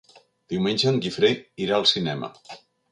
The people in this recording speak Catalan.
Diumenge en Guifré irà al cinema.